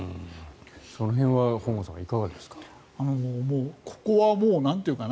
その辺は本郷さんいかがでしょうか？